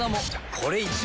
これ１枚。